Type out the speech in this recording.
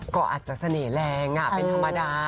ก็อาจจะเสน่ห์แรงเป็นธรรมดา